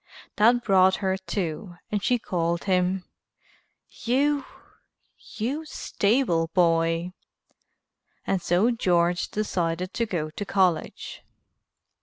That brought her to and she called him "You you stable boy." And so George decided to go to college.